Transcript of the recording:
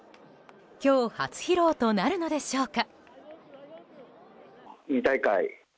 今日、初披露となるのでしょうか？